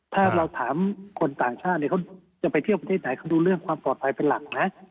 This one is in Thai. ถ้าเราถามคนต่างชาติเนี่ยเขาจะไปเที่ยวประเทศไหนเขาดูเรื่องความปลอดภัยเป็นหลักนะ